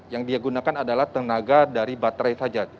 yang dia gunakan adalah tenaga dari baterai saja